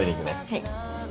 はい。